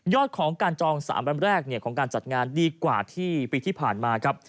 ของการจอง๓วันแรกของการจัดงานดีกว่าที่ปีที่ผ่านมาครับ